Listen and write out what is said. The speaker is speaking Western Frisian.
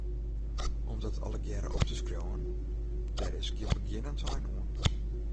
Om dat allegearre op te skriuwen, dêr is gjin begjinnensein oan.